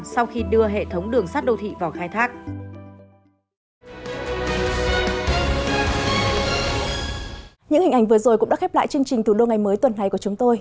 sau khi đưa hệ thống đường sắt đô thị vào khai thác